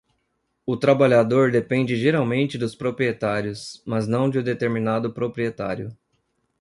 O trabalhador depende geralmente dos proprietários, mas não de um determinado proprietário.